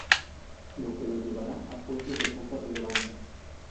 Lo que lo llevará a puestos de poca relevancia.